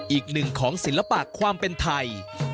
อีกหนึ่งของศิลปะความเป็นไทย